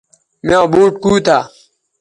میاں بوٹ کوتہ